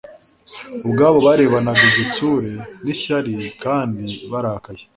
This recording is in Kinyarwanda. Ubwabo barebanaga igitsure n'ishyari kandi barakaye.